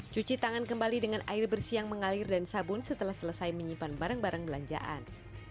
cuci tangan kembali dengan air bersih yang mengalir dan sabun setelah selesai menyimpan barang barang belanjaan